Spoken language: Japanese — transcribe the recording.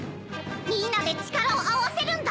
みんなでちからをあわせるんだ！